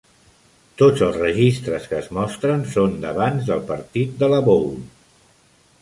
Tots els registres que es mostren són d'abans del partit de la "bowl".